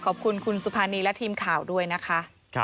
ขอบคุณคุณสุภานีและทีมข่าวด้วยนะคะ